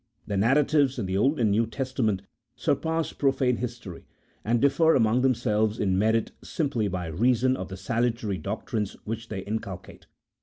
The narratives in the Old and New Testa ments surpass profane history, and differ among themselves in merit simply by reason of the salutary doctrines which they inculcate.